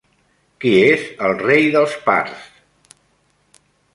Qui és el rei dels parts?